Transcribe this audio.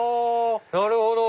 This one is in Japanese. なるほど！